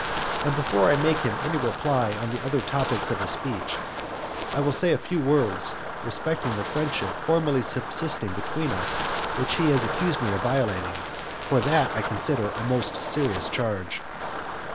And before I make him any reply on the other topics of his speech, I will say a few words; respecting the friendship formerly subsisting between us, which he has accused me of violating, for that I consider a most serious charge.